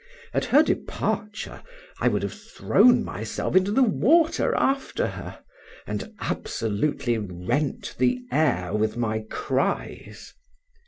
At her departure, I would have thrown myself into the water after her, and absolutely rent the air with my cries.